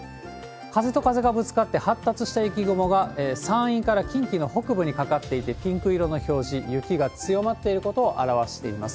風と風がぶつかって、発達した雪雲が山陰から近畿の北部にかかっていて、ピンク色の表示、雪が強まっていることを表しています。